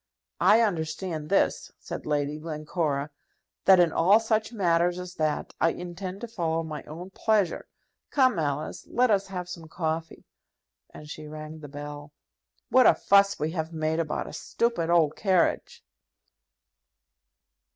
"I understand this," said Lady Glencora; "that in all such matters as that, I intend to follow my own pleasure. Come, Alice, let us have some coffee," and she rang the bell. "What a fuss we have made about a stupid old carriage!"